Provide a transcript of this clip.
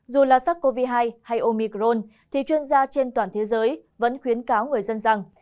dù là sắc covid hai hay omicron thì chuyên gia trên toàn thế giới vẫn khuyến cáo người dân rằng